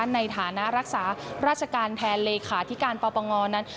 ในฐานะรักษาราชการแทนเลขาธิการปปงนั้น